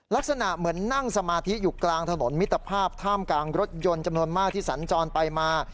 ลักษณะเหมือนนั่งสมาธิอยู่กลางถนนมิตรภาพท่ามกลางรถยนต์จำนวนมากที่สัญจรไปมา